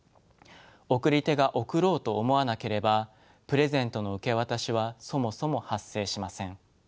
送り手が贈ろうと思わなければプレゼントの受け渡しはそもそも発生しません。